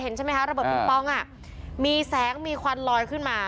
เห็นใช่ไหมคะระเบิดปิงปองอ่ะมีแสงมีควันลอยขึ้นมา